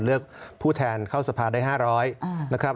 เลือกผู้แทนเข้าสภาได้๕๐๐นะครับ